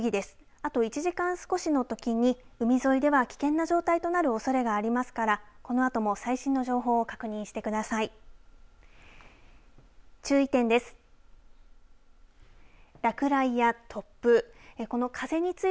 あと１時間少しのときに海沿いでは危険な状態となるおそれがありますからこのあとも最新の情報を確認してください。